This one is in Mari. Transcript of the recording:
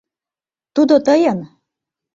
Тудо тыйын.